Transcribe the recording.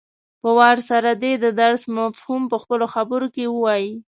په وار سره دې د درس مفهوم په خپلو خبرو کې ووايي.